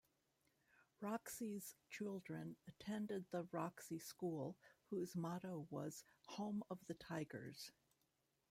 Roxie's children attended the Roxie School, whose motto was "Home of the Tigers".